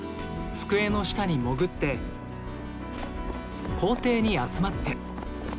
机の下にもぐって校庭に集まって。